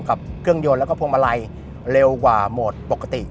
กับเครื่องยนต์แล้วก็พวงมาลัยเร็วกว่าโหมดปกติ